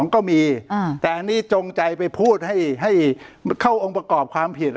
ก็มีแต่อันนี้จงใจไปพูดให้เข้าองค์ประกอบความผิด